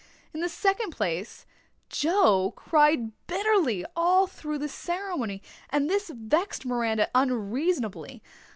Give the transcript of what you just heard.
In the second place, Joe cried bitterly all through the ceremony, and this vexed Miranda unreasonably.